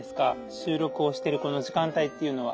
収録をしてるこの時間帯っていうのは。